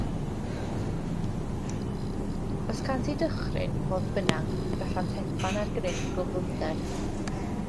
Os cânt eu dychryn, fodd bynnag, gallant hedfan ar gryn gyflymder.